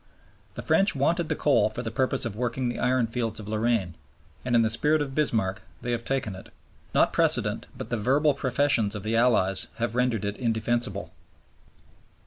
The French wanted the coal for the purpose of working the ironfields of Lorraine, and in the spirit of Bismarck they have taken it. Not precedent, but the verbal professions of the Allies, have rendered it indefensible.